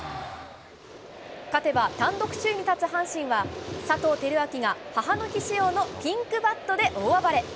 勝てば単独首位に立つ阪神は、佐藤輝明が母の日仕様のピンクバットで大暴れ。